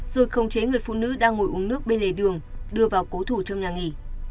rồi khống chế người phụ nữ đang ngồi uống nước bên lề đường đưa vào cố thủ trong nhà nghỉ